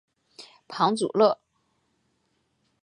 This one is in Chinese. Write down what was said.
庞祖勒。